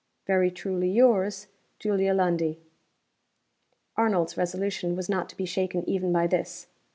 "Very truly yours, JULIA LUNDIE." Arnold's resolution was not to be shaken even by this.